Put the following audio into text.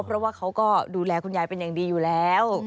เพราะว่าเขาก็ดูแลคุณยายเป็นอย่างดีอยู่แล้ว